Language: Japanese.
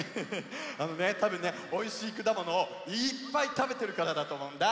あのねたぶんねおいしいくだものをいっぱいたべてるからだとおもうんだ。